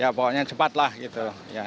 ya pokoknya cepat lah gitu